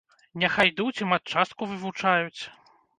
Няхай ідуць і матчастку вывучаюць.